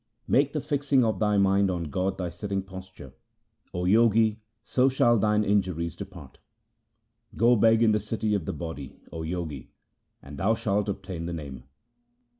Make the fixing of thy mind on God thy sitting posture, 1 O Jogi, so shall thine injuries depart. Go beg in the city of the body, 2 O Jogi, and thou shalt obtain the Name.